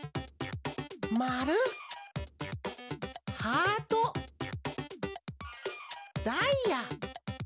まるハートダイヤ。